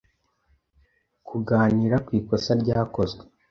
Kuganira ku ikosa ryakozwe